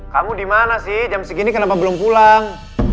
kamu dimana sih jam segini kenapa belum pulang